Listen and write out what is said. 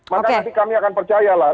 maka nanti kami akan percaya lah